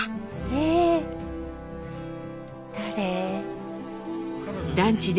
え⁉誰？